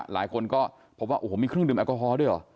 หลายคนก็เพิ่มว่ามีครึ่งดื่มแอลกอฮอล์ด้วยหรอ